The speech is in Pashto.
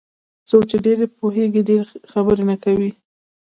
څوک چې ډېر پوهېږي ډېرې خبرې نه کوي.